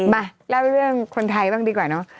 มาเล่าเรื่องคนไทยบ้างดีกว่าเนอะ